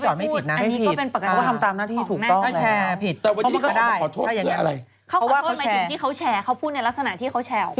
เขาควันโทษหมายถึงเข้าแชร์เขาพูดในลักษณะที่เข้าแชร์ออกไป